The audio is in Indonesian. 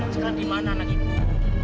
sekarang di mana anak ibu